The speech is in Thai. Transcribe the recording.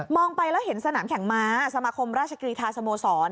ไปแล้วเห็นสนามแข่งม้าสมาคมราชกรีธาสโมสร